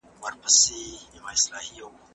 هند ته د مالونو په لېږلو کې ځنډ راغی.